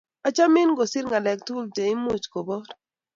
achamin kosir ngalek tugul cheimuch kobor